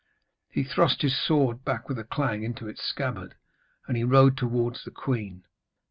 He thrust his sword back with a clang into its scabbard, and rode towards the queen.